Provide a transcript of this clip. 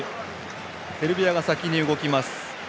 セルビアが先に動きます。